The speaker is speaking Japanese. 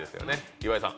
岩井さん。